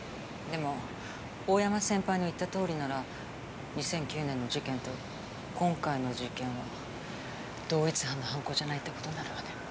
でも大山先輩の言ったとおりなら２００９年の事件と今回の事件は同一犯の犯行じゃないって事になるわね。